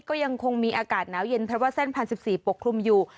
ก็ยังคงมีอากาศหนาวเย็นเพราะว่าเส้น๑๐๑๔ปกคลุมอยู่